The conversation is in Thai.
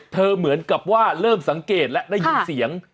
เหมือนกับว่าเริ่มสังเกตและได้ยินเสียง